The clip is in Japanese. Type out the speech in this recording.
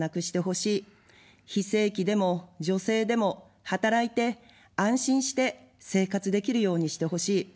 非正規でも女性でも働いて、安心して生活できるようにしてほしい。